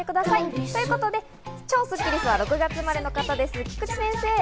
超スッキりすは６月生まれの方です、菊地先生。